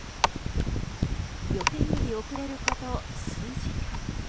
予定より遅れること数時間。